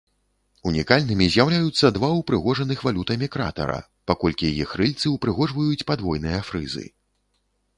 Унікальнымі з'яўляюцца два упрыгожаных валютамі кратара, паколькі іх рыльцы ўпрыгожваюць падвойныя фрызы.